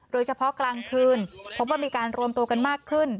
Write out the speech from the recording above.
โดยเฉพาะกลางคืนพบว่ามีการรวมตัวกันมากขึ้น